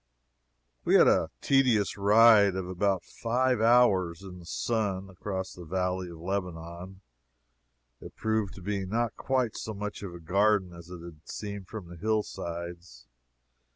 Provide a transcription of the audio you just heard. We had a tedious ride of about five hours, in the sun, across the Valley of Lebanon. It proved to be not quite so much of a garden as it had seemed from the hill sides.